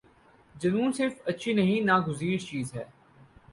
جنون صرف اچھی نہیں ناگزیر چیز ہے۔